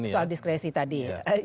soal diskresi tadi